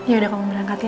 ya udah kamu berangkat ya